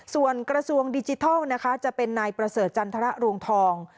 ส่วนกระทรวงดิจิทัลนะคะจะเป็นนายประเสริฐจันทรรวงทอง